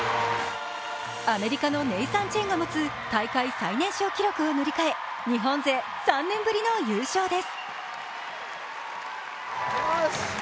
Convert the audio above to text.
アメリカのネイサン・チェンが持つ大会最年少記録を塗り替え日本勢３年ぶりの優勝です。